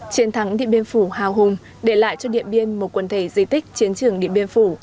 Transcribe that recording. chiến thắng điện biên phủ hào hùng để lại cho điện biên một quần thể di tích chiến trường điện biên phủ